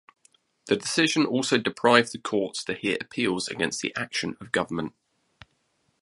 The decision also deprived the courts to hear appeals against the action of government.